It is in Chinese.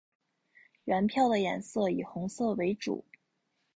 原票的颜色以红色为主。